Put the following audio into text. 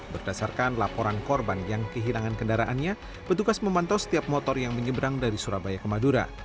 berdasarkan laporan korban yang kehilangan kendaraannya petugas memantau setiap motor yang menyeberang dari surabaya ke madura